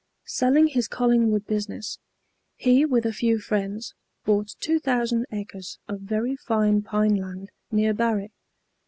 Selling his Collingwood business, he with a few friends bought 2,000 acres of very fine pine land near Barrie.